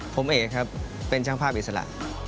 ผมเอกครับเป็นช่างภาพอิสระ